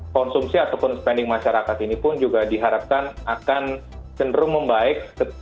konsumsi ataupun spending masyarakat ini pun juga diharapkan akan cenderung membaik